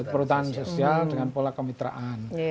perhutanan sosial dengan pola kemitraan